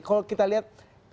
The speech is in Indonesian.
kalau kita lihat